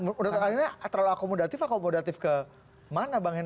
menurut anda ini terlalu akomodatif atau komodatif kemana bang henry